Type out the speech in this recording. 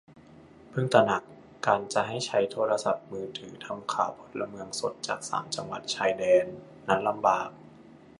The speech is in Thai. เพิ่งตระหนัก : การจะให้ใช้โทรศัพท์มือถือทำข่าวพลเมืองสดจากสามจังหวัดชายแดน นั้นลำบาก